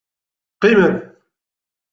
Qqimet.